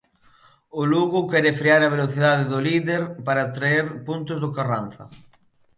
O Lugo quere frear a velocidade do líder para traer puntos do Carranza.